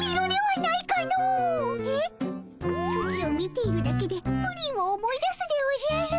ソチを見ているだけでプリンを思い出すでおじゃる。